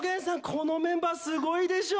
このメンバーすごいでしょ！